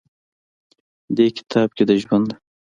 دې کتاب کښې د ژوند